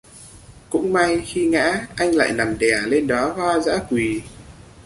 Cũng may Khi ngã anh lại nằm đè lên đóa hoa dã quỳ